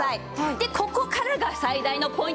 でここからが最大のポイントですよ！